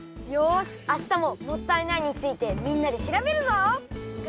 よしあしたも「もったいない」についてみんなでしらべるぞ！